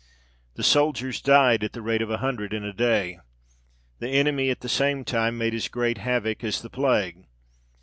The soldiers died at the rate of a hundred in a day. The enemy, at the same time, made as great havoc as the plague.